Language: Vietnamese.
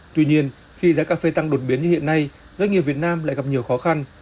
tuy nhiên khi giá cà phê tăng đột biến như hiện nay doanh nghiệp việt nam lại gặp nhiều khó khăn